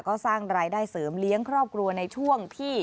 ก็สร้างรายได้เสริมเลี้ยงครอบครัวในช่วงที่